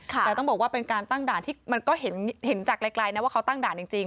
แต่ต้องบอกว่าเป็นการตั้งด่านที่มันก็เห็นจากไกลนะว่าเขาตั้งด่านจริง